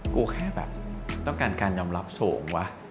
กูแค่แบบต้องการการยอมรับสูงวะ